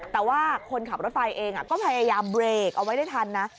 แต่ว่าคนขับรถไฟเองก็พยายามเบรกเอาไว้ได้ทันนะ